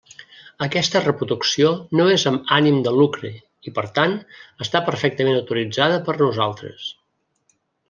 Aquesta reproducció no és amb ànim de lucre, i per tant, està perfectament autoritzada per nosaltres.